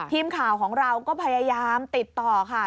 ทีมข่าวของเราก็พยายามติดต่อค่ะ